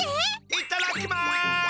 いっただきます！